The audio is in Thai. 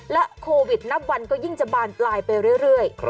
โควิดนับวันก็ยิ่งจะบานปลายไปเรื่อย